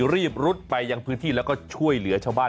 รุดไปยังพื้นที่แล้วก็ช่วยเหลือชาวบ้าน